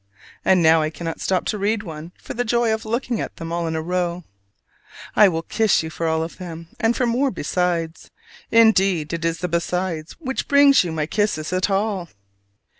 And now I cannot stop to read one, for joy of looking at them all in a row. I will kiss you for them all, and for more besides: indeed it is the "besides" which brings you my kisses at all.